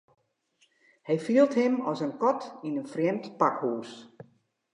Hy fielt him as in kat yn in frjemd pakhús.